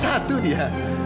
juara satu dia